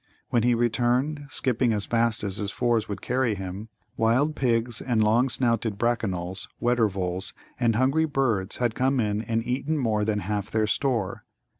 When he returned, skipping as fast as his fours would carry him, wild pigs and long snouted Brackanolls, Weddervols, and hungry birds had come in and eaten more than half their store.